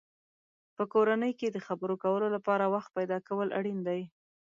په کورنۍ کې د خبرو کولو لپاره وخت پیدا کول اړین دی.